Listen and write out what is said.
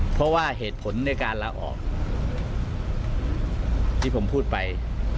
เพราะว่าเหตุผลในการลาออกที่ผมพูดไป